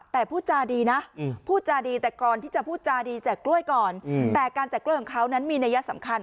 แต่พูดจาดีนะพูดจาดีแต่ก่อนที่จะพูดจาดีแจกกล้วยก่อนแต่การแจกกล้วยของเขานั้นมีนัยสำคัญ